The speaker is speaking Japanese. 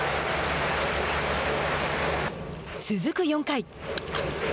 続く４回。